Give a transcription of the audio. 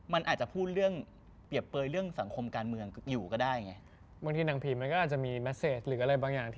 มันอาจพูดเรื่อง